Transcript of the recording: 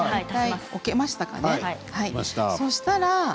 置けましたか。